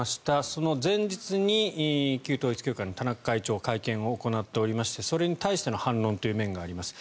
その前日に旧統一教会の田中会長会見を行っておりましてそれに対しての反論という面があります。